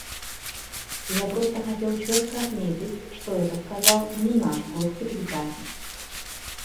Я просто хотел четко отметить, что это сказал не наш госсекретарь.